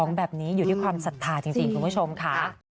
แบบนี้อยู่ที่ความศรัทธาจริงคุณผู้ชมค่ะ